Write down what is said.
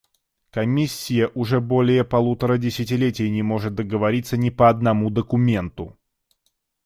Комиссия уже более полутора десятилетий не может договориться ни по одному документу.